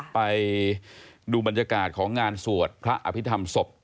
ไปดูบรรยากาศของงานสวดพระอภิษฐรรมศพ